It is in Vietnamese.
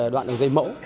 đoạn đường dây mẫu